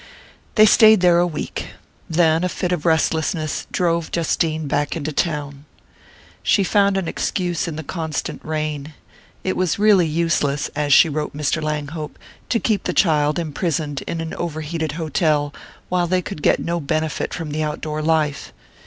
They stayed there a week: then a fit of restlessness drove Justine back to town. She found an excuse in the constant rain it was really useless, as she wrote Mr. Langhope, to keep the child imprisoned in an over heated hotel while they could get no benefit from the outdoor life.